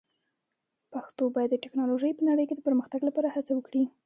پښتو باید د ټکنالوژۍ په نړۍ کې د پرمختګ لپاره هڅه وکړي.